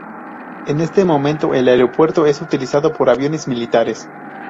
En este momento, el aeropuerto es utilizado por aviones militares.